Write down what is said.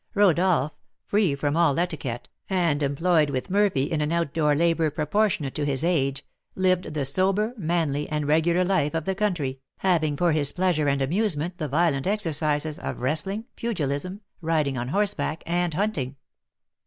Rodolph, free from all etiquette, and employed with Murphy in outdoor labour proportionate to his age, lived the sober, manly, and regular life of the country, having for his pleasure and amusement the violent exercises of wrestling, pugilism, riding on horseback, and hunting.